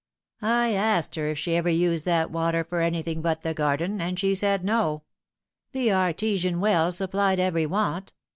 I asked her if she ever ucd that water for anything but the garden, and she said no : tho artesian well supplied every want.